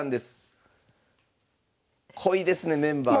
濃いですねメンバーが。